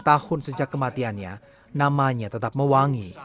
empat puluh sembilan tahun sejak kematiannya namanya tetap mewangi